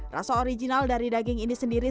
rasa original dari daging ini sendiri